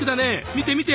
見て見て。